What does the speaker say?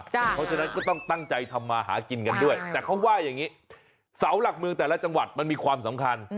เพราะฉะนั้นก็ต้องตั้งใจทำมาหากินกันด้วยแต่เขาว่าอย่างนี้เสาหลักเมืองแต่ละจังหวัดมันมีความสำคัญ